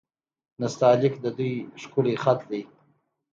نستعلیق د دوی ښکلی خط دی.